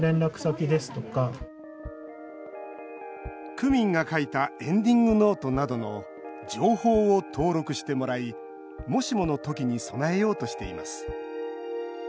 区民が書いたエンディングノートなどの情報を登録してもらいもしもの時に備えようとしています。